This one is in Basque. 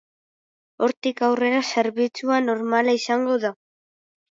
Hortik aurrera, zerbitzua normala izango da.